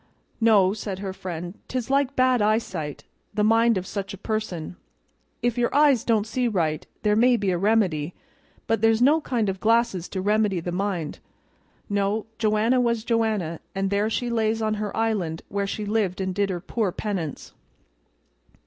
"No," said her friend. "'Tis like bad eyesight, the mind of such a person: if your eyes don't see right there may be a remedy, but there's no kind of glasses to remedy the mind. No, Joanna was Joanna, and there she lays on her island where she lived and did her poor penance.